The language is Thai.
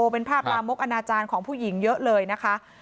เป็นภาพลามกอนาจารย์ของผู้หญิงเยอะเลยนะคะ